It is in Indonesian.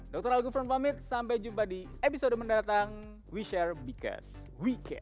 dokter algufran pamit sampai jumpa di episode mendatang we share because we care